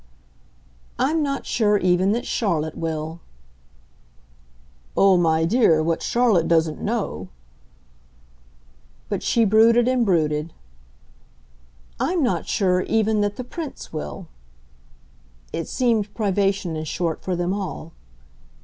"I'm not sure, even, that Charlotte will." "Oh, my dear, what Charlotte doesn't know !" But she brooded and brooded. "I'm not sure even that the Prince will." It seemed privation, in short, for them all.